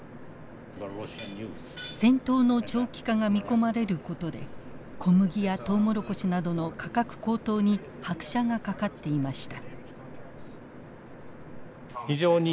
戦闘の長期化が見込まれることで小麦やトウモロコシなどの価格高騰に拍車がかかっていました。